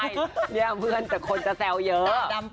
นี่เพื่อนแต่คนจะแซวเยอะ